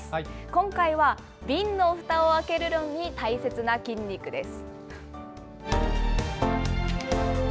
今回は、瓶のふたを開けるのに大切な筋肉です。